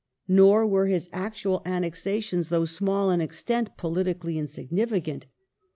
Nor were his actual annexa tions, though small in extent, politically insignificant.